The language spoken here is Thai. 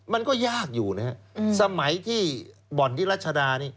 มันก็ยากอยู่นะฮะสมัยที่บ่อนที่รัชดานี่